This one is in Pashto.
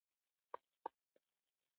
رسمي روغبړونه پخوانۍ خبرې وي.